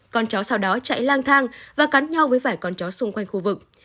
con chó sau đó chảy lang thang và cắn nhau với vải con chó xung quanh khu vực